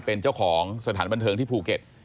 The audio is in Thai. เป็นเจ้าของสถานบันเทิงที่ภูเก็ต